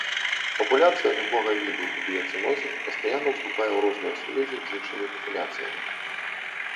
Папуляцыя любога віду ў біяцэнозе пастаянна ўступае ў розныя сувязі з іншымі папуляцыямі.